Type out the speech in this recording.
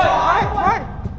tidak ada boy